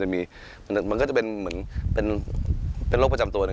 มันก็จะเป็นโรคประจำตัวหนึ่ง